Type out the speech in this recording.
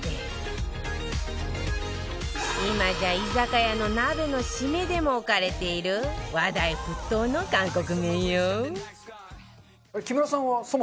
今じゃ居酒屋の鍋のシメでも置かれている話題沸騰の韓国麺よ